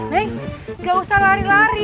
nei gak usah lari lari